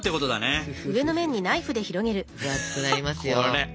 ふふふ分厚くなりますよ。